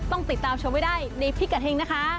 ต้องติดตามชมให้ได้ในพิกัดเฮงนะคะ